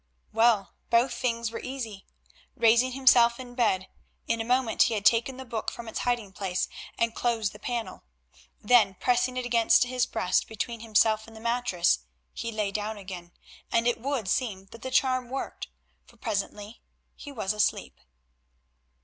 Well, both things were easy. Raising himself in bed, in a moment he had taken the book from its hiding place and closed the panel. Then pressing it against his breast between himself and the mattress he lay down again, and it would seem that the charm worked, for presently he was asleep.